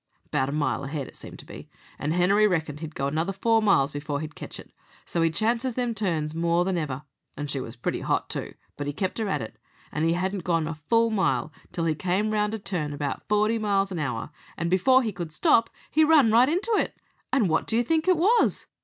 "'Bout a mile ahead it seemed to be, and Henery reckoned he'd go another four miles before he'd ketch it, so he chances them turns more than ever. And she was pretty hot, too; but he kept her at it, and he hadn't gone a full mile till he come round a turn about forty miles an hour, and before he could stop he run right into it, and wot do you think it was?"